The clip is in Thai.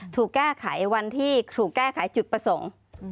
ถูกแก้ไขวันที่ถูกแก้ไขจุดประสงค์